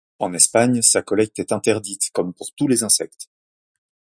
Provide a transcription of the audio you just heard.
En Espagne, sa collecte est interdite, comme pour tous les insectes.